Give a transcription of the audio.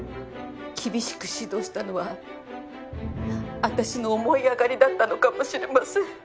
厳しく指導したのは私の思い上がりだったのかもしれません。